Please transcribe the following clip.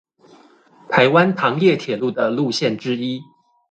臺灣糖業鐵路的路線之一